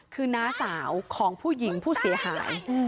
คือน้าสาวของผู้หญิงผู้เสียหาย